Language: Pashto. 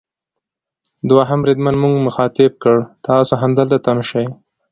دوهم بریدمن موږ مخاطب کړ: تاسو همدلته تم شئ.